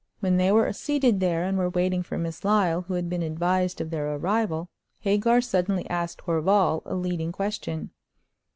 When they were seated here, and were waiting for Miss Lyle, who had been advised of their arrival, Hagar suddenly asked Horval a leading question.